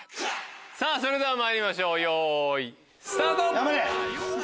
それではまいりましょうよいスタート！